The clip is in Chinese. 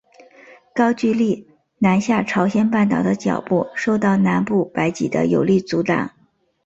高句丽南下朝鲜半岛的脚步受到南部百济的有力阻挡。